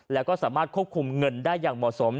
แล้วก็สามารถควบคุมเงินได้อย่างเหมาะสม